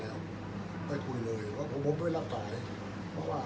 อันไหนที่มันไม่จริงแล้วอาจารย์อยากพูด